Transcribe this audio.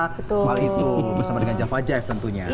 hal itu bersama dengan java jaif tentunya